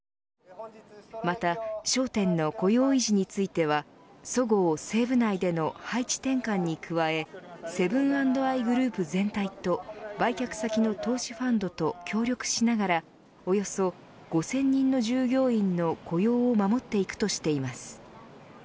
また、焦点の雇用維持についてはそごう・西武内での配置転換に加えセブン＆アイグループ全体と売却先の投資ファンドと協力しながらおよそ５０００人の従業員の雇用を守っていくとしています。